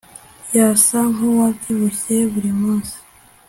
yasa nkuwabyibushye burimunsi